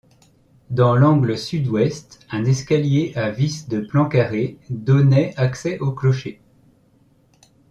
Dans l’angle sud-ouest, un escalier à vis de plan carré donnait accès au clocher.